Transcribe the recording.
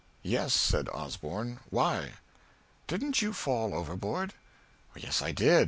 "Yes," said Osborn. "Why?" "Didn't you fall overboard?" "Yes, I did.